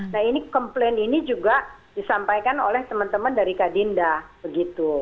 nah ini komplain ini juga disampaikan oleh teman teman dari kadinda begitu